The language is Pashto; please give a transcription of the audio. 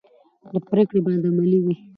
پرېکړې باید عملي وي